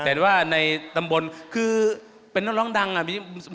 แต่ว่าในตำบลคือเป็นน้องดังอ่ะ